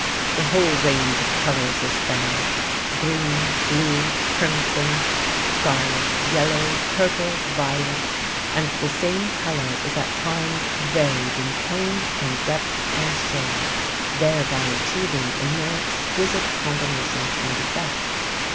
The whole range of colors is there green, blue, crimson, scarlet, yellow, purple, violet and the same color is at times varied in tone and depth and shade, thereby achieving a more exquisite combination and effect.